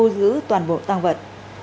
giữ toàn bộ tăng vật